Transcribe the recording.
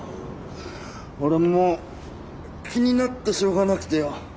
俺もう気になってしょうがなくてよォ。